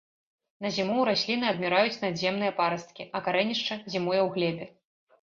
На зіму ў расліны адміраюць надземныя парасткі, а карэнішча зімуе ў глебе.